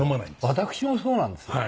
私もそうなんですよ。